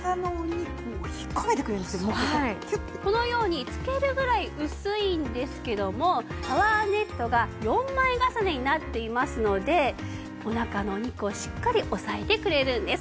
このように透けるぐらい薄いんですけどもパワーネットが４枚重ねになっていますのでおなかのお肉をしっかり押さえてくれるんです。